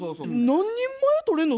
何人前取れんの？